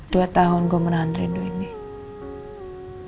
dua tahun gue menahan rindu ini